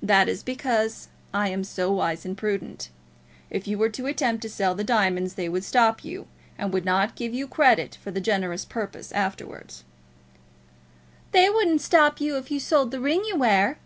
"That is because I am so wise and prudent. If you were to attempt to sell the diamonds they would stop you, and would not give you credit for the generous purpose afterwards." "They wouldn't stop you if you sold the ring you wear."